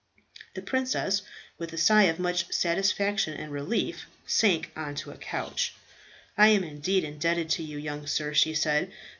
The princess, with a sigh of much satisfaction and relief, sank on to a couch. "I am indeed indebted to you, young sir," she said.